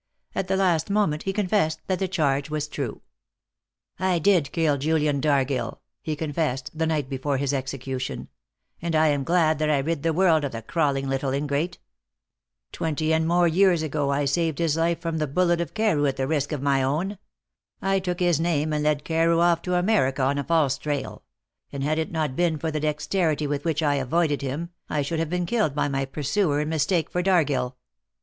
At the last moment he confessed that the charge was true. "I did kill Julian Dargill," he confessed, the night before his execution, "and I am glad that I rid the world of the crawling little ingrate. Twenty and more years ago I saved his life from the bullet of Carew at the risk of my own. I took his name, and led Carew off to America on a false trail; and had it not been for the dexterity with which I avoided him, I should have been killed by my pursuer in mistake for Dargill.